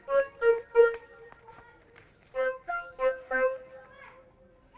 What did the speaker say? apa yang tadi berarti mak juga berarti terlihat tegas